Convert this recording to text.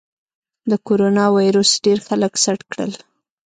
د کرونا ویروس ډېر خلک سټ کړل.